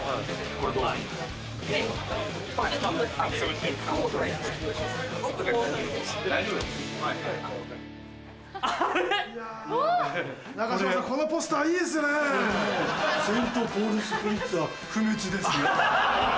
これねセントポール・スピリットは不滅ですよ。